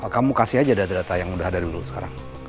kamu kasih aja data data yang udah ada dulu sekarang